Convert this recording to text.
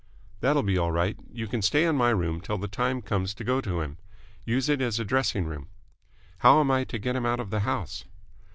"That'll be all right. You can stay in my room till the time comes to go to him. Use it as a dressing room." "How am I to get him out of the house?"